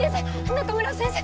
中村先生